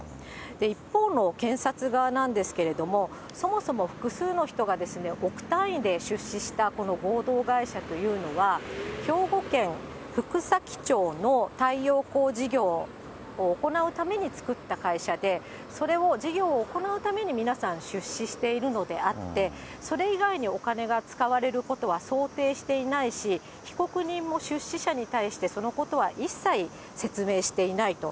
一方の検察側なんですけれども、そもそも複数の人が億単位で出資したこの合同会社というのは、兵庫県福崎町の太陽光事業を行うために作った会社で、それを事業を行うために皆さん出資しているのであって、それ以外にお金が使われることは想定していないし、被告人も出資者に対して、そのことは一切説明していないと。